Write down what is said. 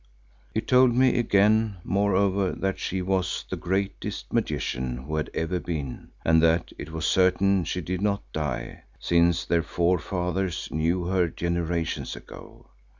He told me again, moreover, that she was the greatest magician who had ever been, and that it was certain she did not die, since their forefathers knew her generations ago.